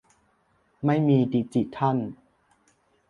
ไม่มีดิจิทัล